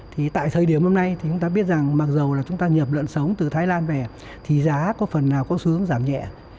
thì tại thời điểm hôm nay thì chúng ta biết rằng mặc dù là chúng ta nhập lợn sống từ thái lan về thì giá có phần nào có xu hướng giảm nhẹ